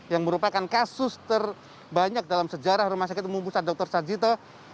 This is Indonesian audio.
yang merupakan kasus terbanyak dalam sejarah rumah sakit umum pusat dr sarjito